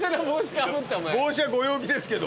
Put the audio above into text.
帽子はご陽気ですけど。